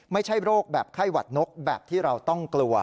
ไม่ใช่โรคแบบไข้หวัดนกแบบที่เราต้องกลัว